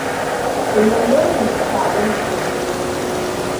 Ku neme ni tare Mr Smith.